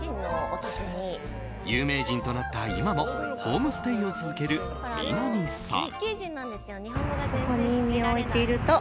有名人となった今もホームステイを続ける南さん。